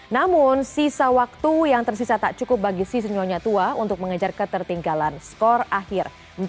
namun sisa waktu yang tersisa tak cukup bagi si senyonya tua untuk mengejar ketertinggalan skor akhir